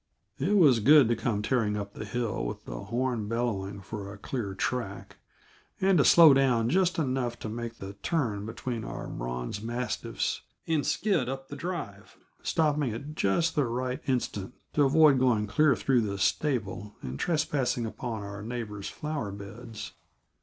It was good to come tearing up the hill with the horn bellowing for a clear track, and to slow down just enough to make the turn between our bronze mastiffs, and skid up the drive, stopping at just the right instant to avoid going clear through the stable and trespassing upon our neighbor's flower beds.